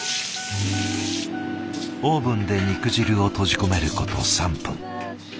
オーブンで肉汁を閉じ込めること３分。